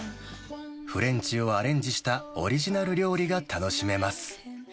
フレンチをアレンジしたオリジナル料理が楽しめます。